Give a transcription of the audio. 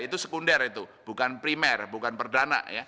itu sekunder itu bukan primer bukan perdana ya